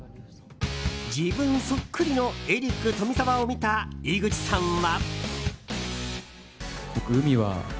自分そっくりのエリック・トミザワを見た井口さんは。